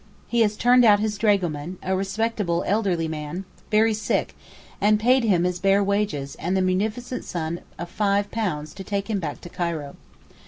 He has turned out his dragoman—a respectable elderly man, very sick, and paid him his bare wages and the munificent sum of £5 to take him back to Cairo.